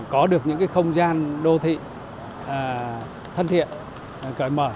có được những không gian đô thị thân thiện cởi mở